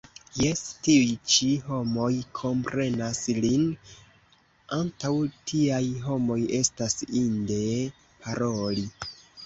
Jes, tiuj ĉi homoj komprenas lin, antaŭ tiaj homoj estas inde paroli.